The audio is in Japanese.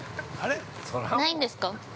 ◆ないんですか。